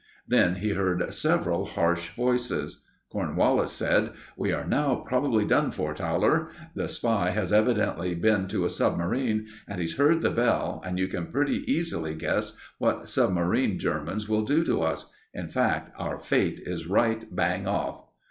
Then he heard several harsh voices. Cornwallis said: "We are now probably done for, Towler. The spy has evidently been to a submarine, and he's heard the bell, and you can pretty easily guess what submarine Germans will do to us. In fact, our Fate is right bang off."